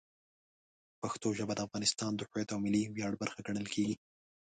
پښتو ژبه د افغانستان د هویت او ملي ویاړ برخه ګڼل کېږي.